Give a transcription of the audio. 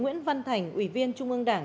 nguyễn văn thành ủy viên trung ương đảng